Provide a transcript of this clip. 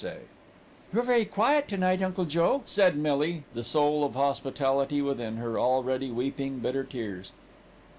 "You're very quiet to night, Uncle Joe," said Millie, the soul of hospitality within her already weeping bitter tears.